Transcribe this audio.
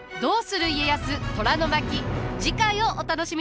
次回をお楽しみに。